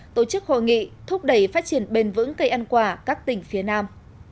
tổ chức hội nghị thúc đẩy phát triển bền vững cây ăn quả các tỉnh phía nam